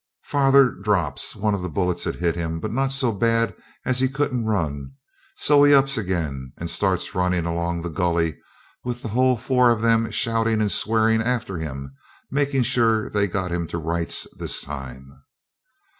Father drops; one of the bullets had hit him, but not so bad as he couldn't run, so he ups again and starts running along the gully, with the whole four of them shouting and swearin' after him, making sure they got him to rights this time.